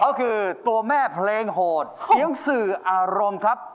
ก็คือตัวแม่เพลงโหดเสียงสื่ออารมณ์ครับ